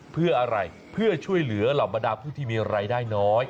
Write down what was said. เพื่ออะไรเพื่อช่วยเหลือเหล่าบรรดาผู้ที่มีรายได้น้อย